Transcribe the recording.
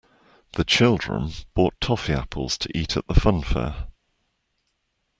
The children bought toffee apples to eat at the funfair